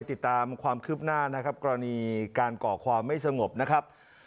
ติดตามความคืบหน้านะครับกรณีการก่อความไม่สงบนะครับ